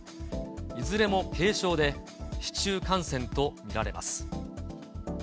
いずれも軽症で、市中感染と見られます。